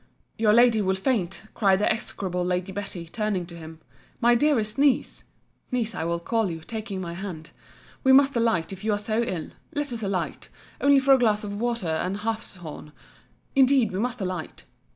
Your lady will faint, cried the execrable Lady Betty, turning to him—My dearest Niece! (niece I will call you, taking my hand)—we must alight, if you are so ill.—Let us alight—only for a glass of water and hartshorn—indeed we must alight.